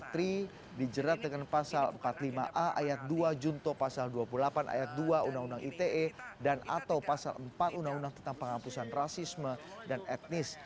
tri dijerat dengan pasal empat puluh lima a ayat dua junto pasal dua puluh delapan ayat dua undang undang ite dan atau pasal empat undang undang tentang penghapusan rasisme dan etnis